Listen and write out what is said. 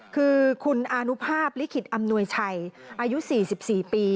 คือคุณอานุภาพลิขิตอำนวยชัยอายุ๔๔ปี